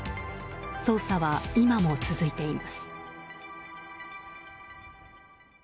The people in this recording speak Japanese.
捜査は、今も続いています。